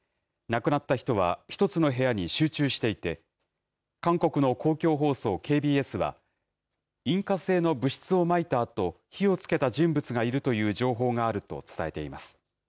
亡くなった人は１つの部屋に集中していて、韓国の公共放送ＫＢＳは、引火性の物質をまいたあと、火をつけた人物がいるという情報があると伝えています。